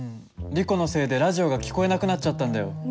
リコのせいでラジオが聞こえなくなっちゃったんだよ。